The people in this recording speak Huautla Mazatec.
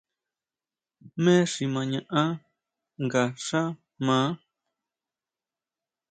¿Jmé xi ma ñaʼán nga xá maá.